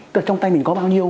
trong tay mình có bao nhiêu